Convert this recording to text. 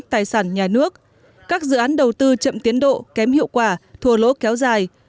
tài sản nhà nước các dự án đầu tư chậm tiến độ kém hiệu quả thua lỗ kéo dài